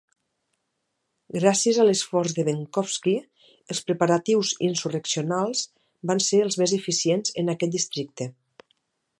Gràcies a l'esforç de Benkovski, els preparatius insurreccionals van ser els més eficients en aquest districte.